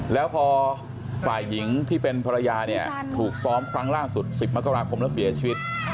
แล้วพอฝ่ายหญิงที่เป็นภรรยาเนี่ยถูกซ้อมครั้งล่าสุด๑๐มกราคมแล้วเสียชีวิต